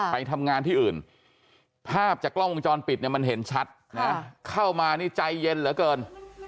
ไปทำงานที่อื่นภาพจากกล้องวงจรปิดเนี่ยมันเห็นชัดนะเข้ามานี่ใจเย็นเหลือเกิน